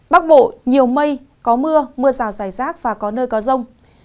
bắc bộ nhiều mây có mưa mưa rào dài rác và có nơi có rông